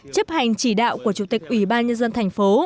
chấp hành chỉ đạo của chủ tịch ủy ban nhân dân tp